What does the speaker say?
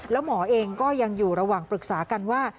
แล้วหมอเองก็ยังอยู่ระหว่างปรึกษากันว่า